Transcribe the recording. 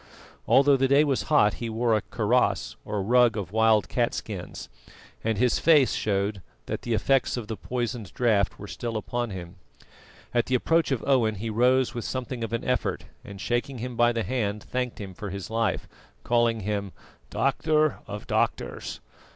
Although the day was hot, he wore a kaross or rug of wild catskins, and his face showed that the effects of the poisoned draught were still upon him. At the approach of Owen he rose with something of an effort, and, shaking him by the hand, thanked him for his life, calling him "doctor of doctors."